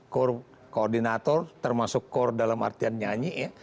core koordinator termasuk core dalam artian nyanyi ya